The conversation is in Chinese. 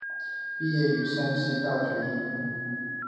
毕业于山西大学英语。